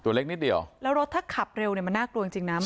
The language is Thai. ตัวเล็กนิดเดียวแล้วรถถ้าขับเร็วเนี่ยมันน่ากลัวจริงจริงนะ